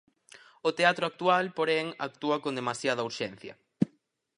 O teatro actual, porén, actúa con demasiada urxencia.